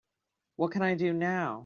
what can I do now?